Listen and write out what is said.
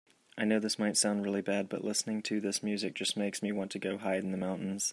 I know this might sound really bad, but listening to this music just makes me want to go hide in the mountains.